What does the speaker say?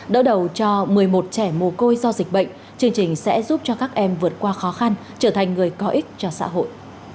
đỡ đầu cho một mươi một trẻ mồ côi do dịch bệnh chương trình sẽ giúp cho các em vượt qua khó khăn trở thành người có ích cho xã hội